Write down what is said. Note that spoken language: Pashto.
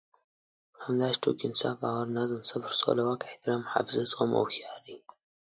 همداسې ټوکې، انصاف، باور، نظم، صبر، سوله، واک، احترام، محافظت، زغم او هوښياري.